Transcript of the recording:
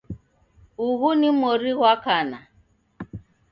Ughu ni mori ghwa kana